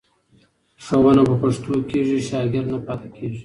ښوونه په پښتو کېږي، شاګرد نه پاتې کېږي.